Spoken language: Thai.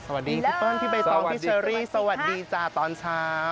พี่เปิ้ลพี่ใบตองพี่เชอรี่สวัสดีจ้าตอนเช้า